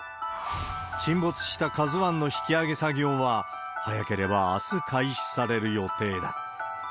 沈没したＫＡＺＵＩの引き揚げ作業は、早ければあす開始される予定だ。